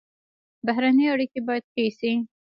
بهرنۍ اړیکې باید ښې شي